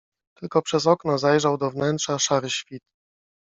Tylko przez okno zajrzał do wnętrza szary świt.